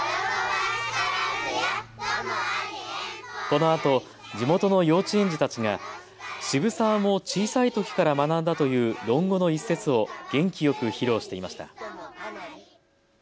このあと地元の幼稚園児たちが渋沢も小さいときから学んだという論語の一節を元気よく披露していました。